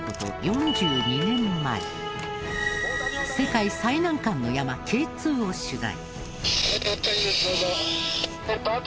４２年前世界最難関の山Ｋ２を取材。